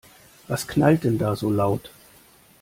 Was knallt denn da so laut?